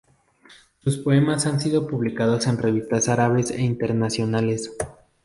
Sus poemas han sido publicados en revistas árabes e internacionales.